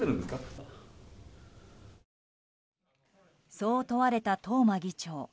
そう問われた東間議長。